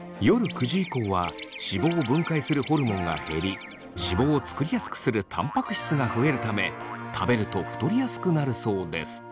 夜９時以降は脂肪を分解するホルモンが減り脂肪を作りやすくするたんぱく質が増えるため食べると太りやすくなるそうです。